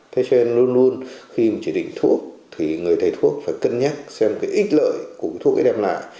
thế cho nên luôn luôn khi mà chỉ định thuốc thì người thầy thuốc phải cân nhắc xem cái ít lợi của thuốc ấy đem lại